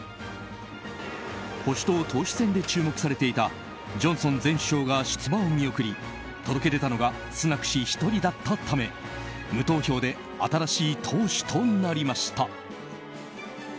保守党党首選で注目されていたジョンソン前首相が出馬を見送り届け出たのがスナク氏１人だったため無投票で新しい党首となりました。